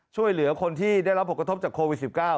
ช่วยเหลือคนที่ได้รับผลกระทบจากโควิด๑๙